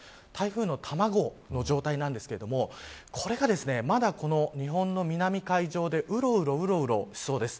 台風の卵の状態なんですけどこれが、まだ日本の南海上で、うろうろしそうです。